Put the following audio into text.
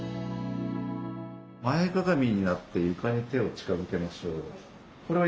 前かがみになって床に手を近づけましょう。